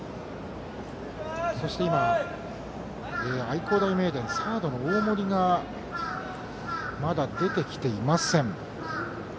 そして今、愛工大名電サードの大森がまだ出てきていません。